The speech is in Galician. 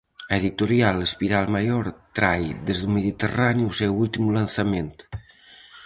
A editorial Espiral Maior trae desde o Mediterráneo o seu último lanzamento.